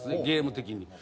ゲーム的に。